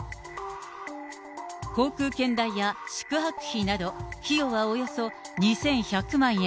航空券代や宿泊費など、費用はおよそ２１００万円。